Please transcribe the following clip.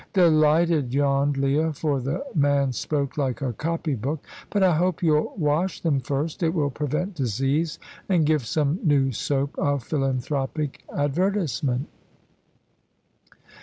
"Delighted," yawned Leah, for the man spoke like a copy book; "but I hope you'll wash them first. It will prevent disease, and give some new soap a philanthropic advertisement."